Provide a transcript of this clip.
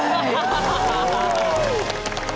ハハハハハ！